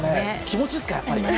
気持ちですかね。